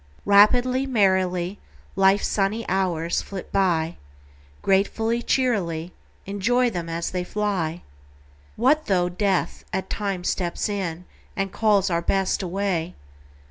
Rapidly, merrily, Life's sunny hours flit by, Gratefully, cheerily Enjoy them as they fly! What though Death at times steps in, And calls our Best away?